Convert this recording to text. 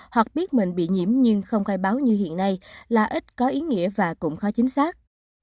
hoặc biết mình bị nhiễm nhưng không khai báo như hiện nay là ít có ý nghĩa và cũng khó chính xác